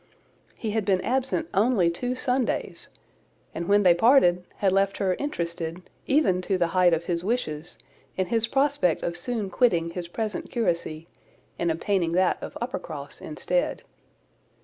He had been absent only two Sundays, and when they parted, had left her interested, even to the height of his wishes, in his prospect of soon quitting his present curacy, and obtaining that of Uppercross instead.